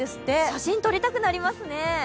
写真撮りたくなりますね。